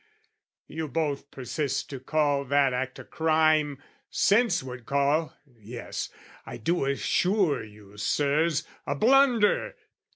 You both persist to call that act a crime, Sense would call...yes, I do assure you, Sirs,... A blunder!